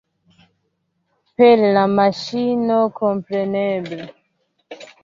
Per la maŝino, kompreneble?